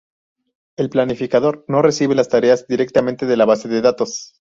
El planificador no recibe las tareas directamente de la base de datos.